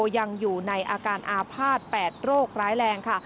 ยังอยู่ในอาการอาภาษณ์๘โรคร้ายแรงค่ะ